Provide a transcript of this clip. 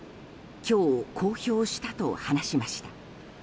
今日、公表したと話しました。